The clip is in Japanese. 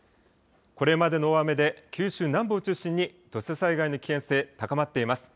これまでの大雨で九州南部を中心に土砂災害の危険性、高まっています。